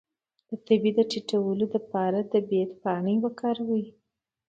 د تبې د ټیټولو لپاره د بید پاڼې وکاروئ